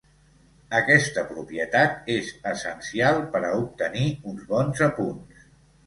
Aquesta propietat és essencial per a obtenir uns bons apunts.